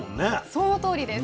そのとおりです。